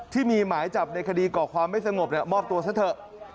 ที่มีหมายจับในคดีก่อความไม่สงบมอบตัวซะเถอะ